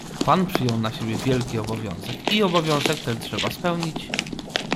"Pan przyjął na siebie wielki obowiązek i obowiązek ten trzeba spełnić."